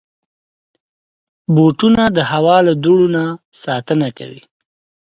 بوټونه د هوا له دوړو نه ساتنه کوي.